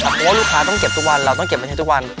เพราะว่าลูกค้าต้องเก็บทุกวันเราต้องเก็บไว้ให้ทุกวัน